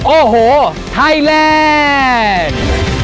โอ้โหทัยแรง